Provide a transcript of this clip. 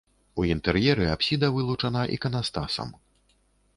У інтэр'еры апсіда вылучана іканастасам.